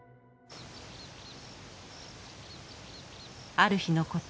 ある日のこと。